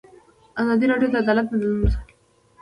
ازادي راډیو د عدالت بدلونونه څارلي.